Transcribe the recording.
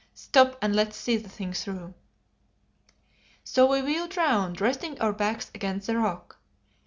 Stop and let's see the thing through." So we wheeled round, resting our backs against the rock.